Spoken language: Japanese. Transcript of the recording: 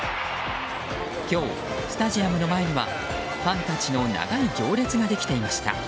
今日スタジアムの前にはファンたちの長い行列ができていました。